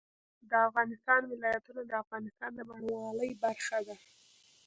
د افغانستان ولايتونه د افغانستان د بڼوالۍ برخه ده.